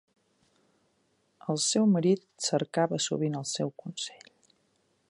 El seu marit cercava sovint el seu consell.